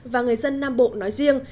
và người dân nam bộ nói riêng